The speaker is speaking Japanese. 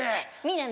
南？